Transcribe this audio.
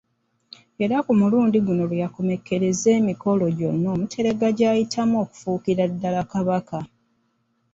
Era ku mulundi guno lwe yakomekkereza emikolo gyonna Omuteregga gy'ayitamu okufuukira ddala Kabaka.